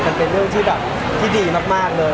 มันเป็นเรื่องที่ดีมากเลย